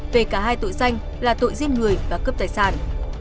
về cả hai tội danh là tội giết người và cướp tài sản